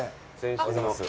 おはようございます。